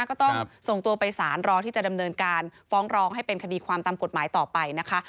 ก็ต้องส่งตัวไปสารรอที่จะดำเนินการฟ้องร้องให้เป็นคดีความตามกฎหมายต่อไปนะคะ